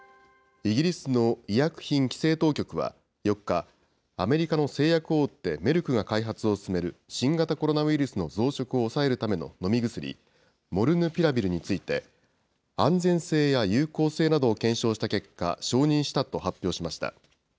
イギリスの医薬品規制当局は４日、アメリカの製薬大手、メルクが開発を進める、新型コロナウイルスの増殖を抑えるための飲み薬、モルヌピラビルについて、安全性や有効性などを検証した結果、承認したと発表しました。